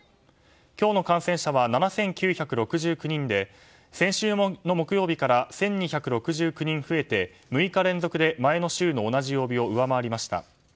今日の感染者は７９６９人で先週の木曜日から１２６９人増えて６日連続で前の週の同じ曜日を上回りました。